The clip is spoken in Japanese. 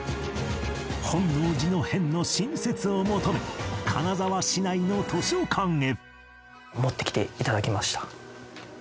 本能寺の変の新説を求め金沢市内の図書館へ